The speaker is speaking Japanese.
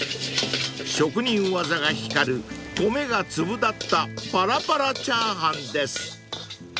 ［職人技が光る米が粒立ったパラパラチャーハンです］